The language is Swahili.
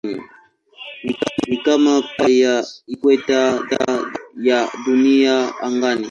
Ni kama pacha ya ikweta ya Dunia angani.